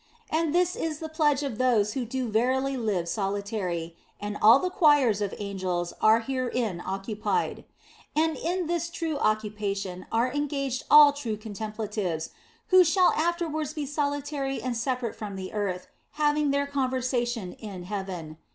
And this is the pledge of those who do verily live solitary, and all the choirs of angels are herewith occupied. And in this true occupation are engaged all true contemplatives, who shall afterwards be solitary and separated from the earth, having their conversation in heaven.